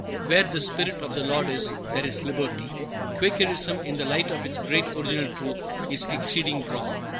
"Where the Spirit of the Lord is, there is liberty." Quakerism, in the light of its great original truth, is "exceeding broad."